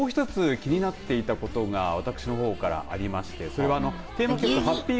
気になっていたことが私のほうからありましてそれはテーマ曲ハッピー☆